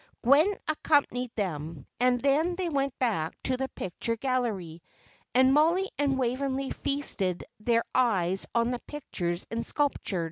Gwen accompanied them; and then they went back to the picture gallery, and Mollie and Waveney feasted their eyes on the pictures and sculpture.